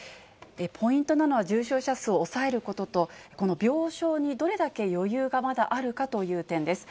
ポイントなのは重症者数を抑えることと、病床にどれだけ余裕がまだあるかという点です。